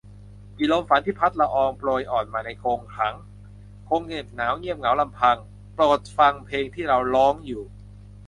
กี่ลมฝันที่พัดละอองโปรยอ่อนมาในกรงขัง คงเหน็บหนาวเงียบเหงาลำพัง โปรดฟังเพลงที่เราร้องอยู่